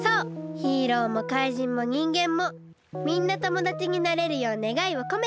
ヒーローもかいじんもにんげんもみんなともだちになれるようねがいをこめて！